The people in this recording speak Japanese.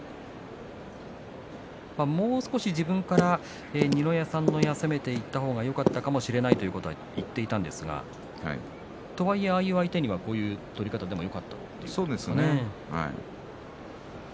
もう少し自分から二の矢、三の矢攻めていけばよかったかもしれないと言っていたんですがとはいえ、ああいう相手にはこういう取り方でもそうですね。